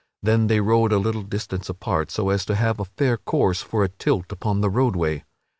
Then they rode a little distance apart so as to have a fair course for a tilt upon the roadway.